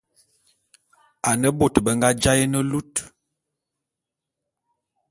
Ane bôt be nga jaé ne lut.